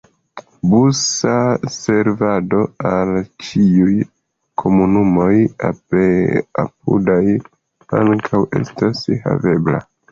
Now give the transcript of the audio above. Busa servado al ĉiuj komunumoj apudaj ankaŭ estas havebla.